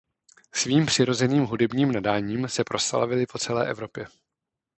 Svým přirozeným hudebním nadáním se proslavili po celé Evropě.